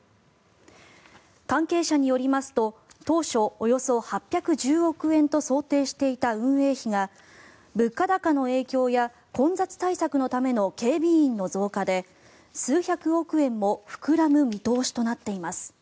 関係者によりますと当初、およそ８１０億円と想定していた運営費が物価高の影響や混雑対策のための警備員の増加で数百億円も膨らむ見通しとなっています。